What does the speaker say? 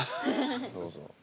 どうぞ。